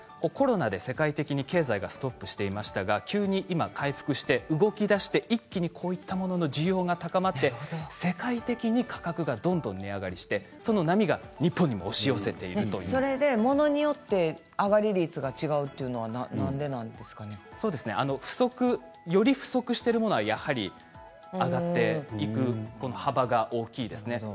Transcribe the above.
コロナで世界的に経済がストップしていましたが、急に今回復して動きだして、一気にこういったものの需要が高まって世界的に価格がどんどん値上がりしてその波がものによって上がる率が違うというのは何でなんですかね。より不足しているものはやはり上がっていく幅が大きいですね。